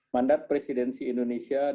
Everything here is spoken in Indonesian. mandat presidensi indonesia diperkuatkan